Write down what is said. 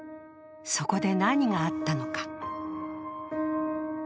そこで何があったのか？